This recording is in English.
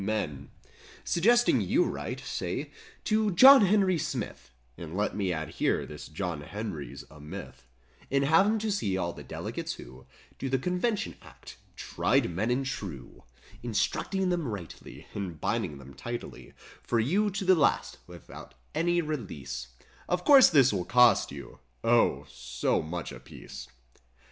men Suggesting you write, say to John Henry Smith, (And let me add here this "John Henry" 's a myth) And have him to see all the delegates who Do the convention act —'Uried men and true ^'— Instructing them rightly And binding them tightly For you to the last without any release— (Of course this will cost you—O, so much a piece).